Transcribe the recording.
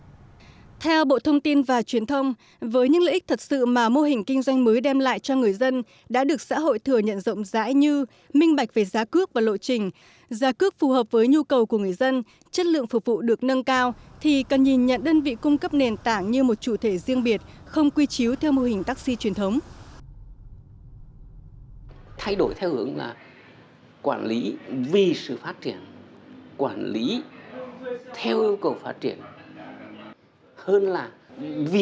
bộ trưởng bộ thông tin và truyền thông vừa ký công văn một nghìn bốn trăm tám mươi năm gửi thủ tướng chính phủ kiến nghị xem xét những đơn vị cung cấp nền tảng như grab uber goviet là chủ thể riêng biệt và có thể dùng công nghệ để quản lý những đơn vị này